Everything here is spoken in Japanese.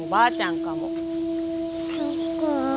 そっか。